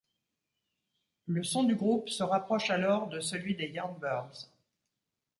Le son du groupe se rapproche alors de celui des Yardbirds.